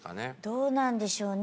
どうなんでしょうね。